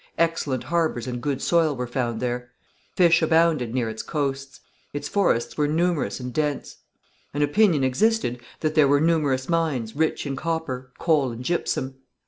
Excellent harbours and good soil were found there. Fish abounded near its coasts; its forests were numerous and dense. An opinion existed that there were numerous mines, rich in copper, coal and gypsum.